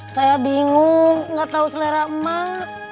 saya bingung gak tau selera emak